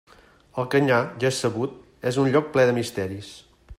El canyar, ja és sabut, és un lloc ple de misteris.